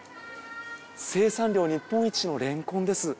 生産量日本一のれんこんです。